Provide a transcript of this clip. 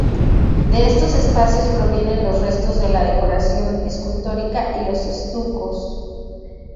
De estos espacios provienen los restos de la decoración escultórica y los estucos.